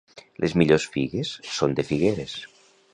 Les millors figues són de Figueres.